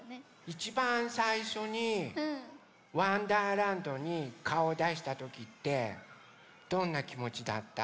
いちばんさいしょに「わんだーらんど」にかおをだしたときってどんなきもちだった？